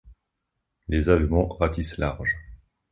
Les Allemands ratissent large.